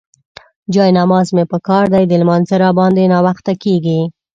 جاینماز مې پکار دی، د لمانځه راباندې ناوخته کيږي.